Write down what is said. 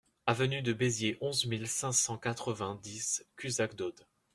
Avenue de Béziers, onze mille cinq cent quatre-vingt-dix Cuxac-d'Aude